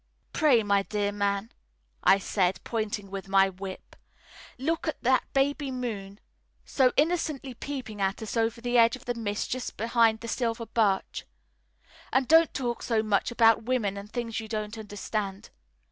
"Pray, my dear man," I said, pointing with my whip, "look at that baby moon so innocently peeping at us over the edge of the mist just behind that silver birch; and don't talk so much about women and things you don't understand.